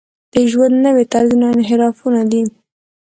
د ژوند نوي طرزونه انحرافونه دي.